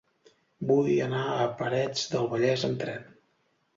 Vull anar a Parets del Vallès amb tren.